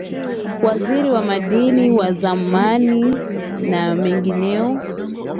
Waziri wa Madini wa zamani na wengineo